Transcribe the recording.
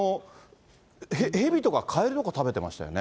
ヘビとかカエルとか食べてましたよね。